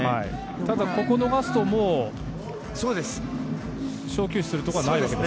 ただ、ここを逃すと小休止するところはないわけですね。